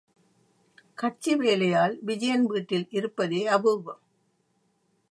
கட்சி வேலையால் விஜயன் வீட்டில் இருப்பதே அபூர்வம்.